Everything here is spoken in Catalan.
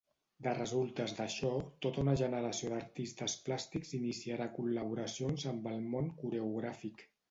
De resultes d'això, tota una generació d'artistes plàstics iniciarà col·laboracions amb el món coreogràfic.